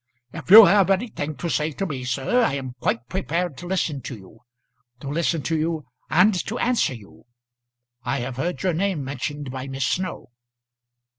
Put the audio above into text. "If you have anything to say to me, sir, I am quite prepared to listen to you to listen to you, and to answer you. I have heard your name mentioned by Miss Snow."